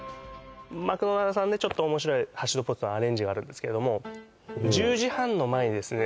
マクドナルドさんでちょっと面白いハッシュドポテトのアレンジがあるんですけれども１０時半の前にですね